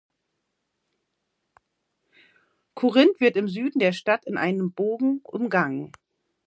Korinth wird im Süden der Stadt in einem Bogen umgangen.